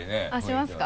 しますか？